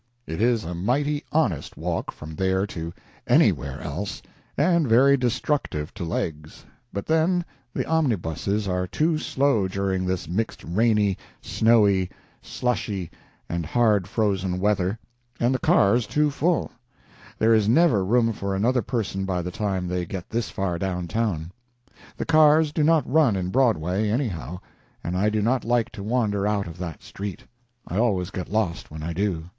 It is a mighty honest walk from there to anywhere else, and very destructive to legs, but then the omnibuses are too slow during this mixed rainy, snowy, slushy and hard frozen weather, and the cars too full—there is never room for another person by the time they get this far down town. The cars do not run in Broadway, anyhow, and I do not like to wander out of that street. I always get lost when I do.